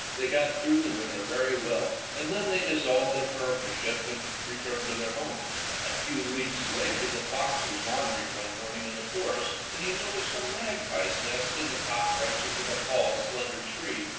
They got through the winter very well, and then they dissolved their partnership and returned to their homes. A few weeks later the fox was wandering one morning in the forest when he noticed a magpie's nest in the top branches of a tall, slender tree.